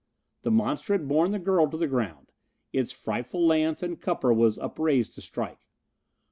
The monster had borne the girl to the ground. Its frightful lance and cupper was upraised to strike.